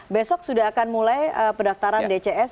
besok sudah akan mulai pendaftaran dcs